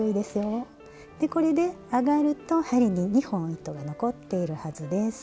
でこれで上がると針に２本糸が残っているはずです。